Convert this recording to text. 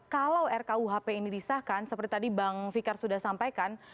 kalau rkuhp ini disahkan seperti tadi bang fikar sudah sampaikan